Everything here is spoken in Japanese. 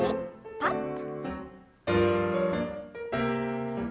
パッと。